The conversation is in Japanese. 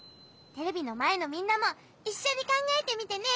テレビのまえのみんなもいっしょにかんがえてみてね！